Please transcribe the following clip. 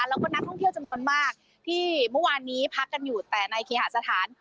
แล้วก็นักท่องเที่ยวจำนวนมากที่เมื่อวานนี้พักกันอยู่แต่ในเคหาสถาน